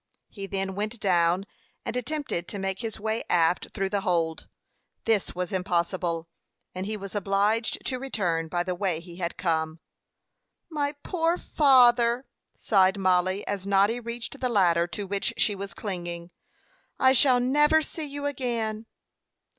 He then went down, and attempted to make his way aft through the hold. This was impossible, and he was obliged to return by the way he had come. "My poor father!" sighed Mollie, as Noddy reached the ladder to which she was clinging; "I shall never see you again."